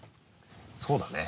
そうだね。